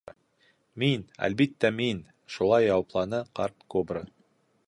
— Мин, әлбиттә, мин, — шулай яуапланы ҡарт кобра.